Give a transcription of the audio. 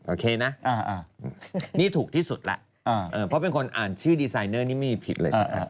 โอเคนะนี่ถูกที่สุดแล้วเพราะเป็นคนอ่านชื่อดีไซเนอร์นี่ไม่มีผิดเลยใช่ไหม